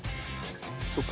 そっか。